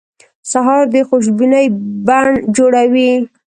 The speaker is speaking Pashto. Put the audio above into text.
سهار د خوشبینۍ بڼ جوړوي.